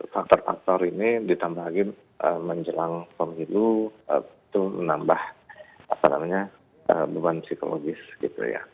faktor faktor ini ditambahin menjelang pemilu itu menambah apa namanya beban psikologis gitu ya